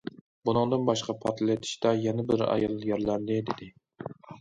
بۇنىڭدىن باشقا پارتلىتىشتا يەنە بىر ئايال يارىلاندى، دېدى.